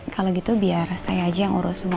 kalau gitu biar saya aja yang urus semua